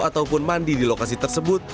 ataupun mandi di lokasi tersebut